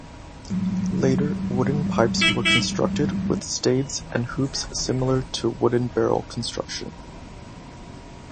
Later wooden pipes were constructed with staves and hoops similar to wooden barrel construction.